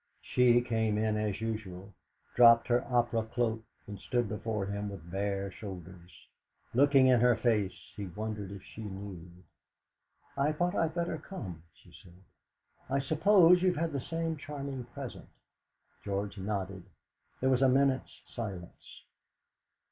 She came in as usual, dropped her opera cloak, and stood before him with bare shoulders. Looking in her face, he wondered if she knew. "I thought I'd better come," she said. "I suppose you've had the same charming present?" George nodded. There was a minute's silence.